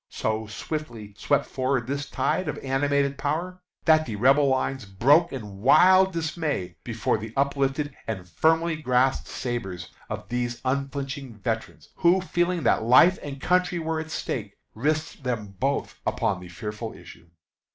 So swiftly swept forward this tide of animated power, that the Rebel lines broke in wild dismay before the uplifted and firmly grasped sabres of these unflinching veterans, who, feeling that life and country were at stake, risked them both upon the fearful issue.